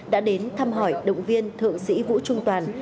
đã đến thăm hỏi động viên thượng sĩ vũ trung toàn